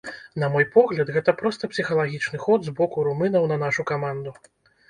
На мой погляд, гэта проста псіхалагічны ход з боку румынаў на нашу каманду.